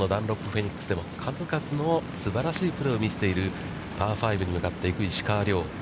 フェニックスでも数々のすばらしいプレーを見せているパー５に向かっていく石川遼。